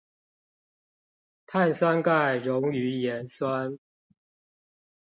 碳酸鈣溶於鹽酸